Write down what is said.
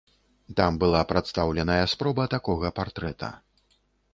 Там была прадстаўленая спроба такога партрэта.